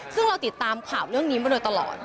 ซึ่งเราติดตามข่าวเรื่องนี้มาโดยตลอด